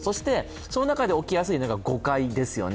その中で起きやすいのが誤解ですよね。